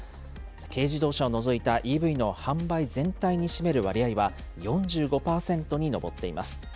軽自動車を除いたＥＶの販売全体に占める割合は４５％に上っています。